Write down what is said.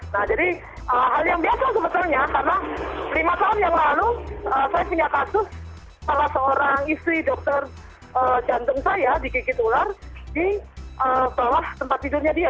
nah jadi hal yang biasa sebetulnya karena lima tahun yang lalu saya punya kasus salah seorang istri dokter jantung saya digigit ular di bawah tempat tidurnya dia